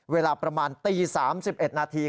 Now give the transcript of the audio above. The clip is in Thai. เวลาประมาณตี๓๑นาที